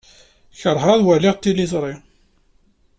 Keṛheɣ ad waliɣ tiliẓri.